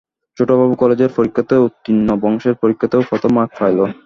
ছোটোবাবু কলেজের পরীক্ষাতে উত্তীর্ণ, বংশের পরীক্ষাতেও প্রথম মার্ক পাইল।